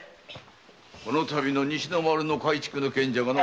このたびの西の丸の改築の件だがな。